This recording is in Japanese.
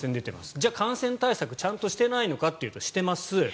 じゃあ感染対策ちゃんとしていないのかというとしています。